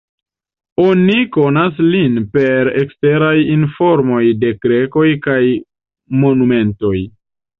Oni konas lin per eksteraj informoj de grekoj kaj monumentoj.